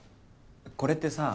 これってさ。